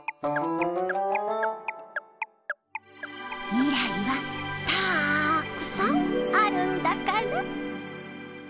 みらいはたーくさんあるんだから！